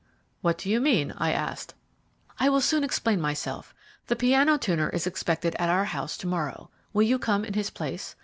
"What do you mean?" I asked. "I will soon explain myself. The piano tuner is expected at our house to morrow. Will you come in his place?